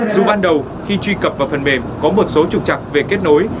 dù ban đầu khi truy cập vào phần mềm có một số trục trặc về kết nối